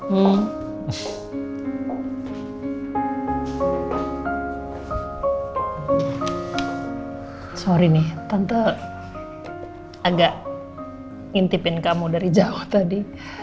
hmmy nih tante agak ngintipin kamu dari jauh tadi